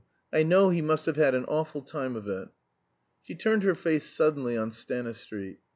I know he must have had an awful time of it." She turned her face suddenly on Stanistreet.